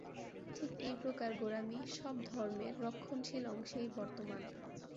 ঠিক এই প্রকার গোঁড়ামি সব ধর্মের রক্ষণশীল অংশেই বর্তমান।